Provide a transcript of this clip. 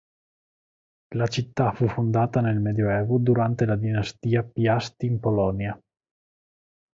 La città fu fondata nel Medioevo, durante la dinastia Piast in Polonia.